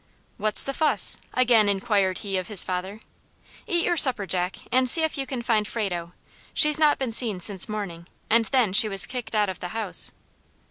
"What's the fuss?" again inquired he of his father. "Eat your supper, Jack, and see if you can find Frado. She's not been seen since morning, and then she was kicked out of the house."